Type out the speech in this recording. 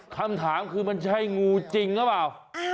คำถามคือมันใช่งูจริงหรือเปล่า